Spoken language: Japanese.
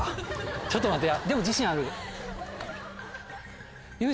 ちょっと待ってや。